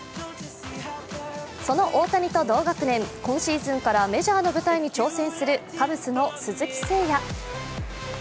その大谷と同学年、今シーズンからメジャーの舞台に挑戦するカブスの鈴木誠也。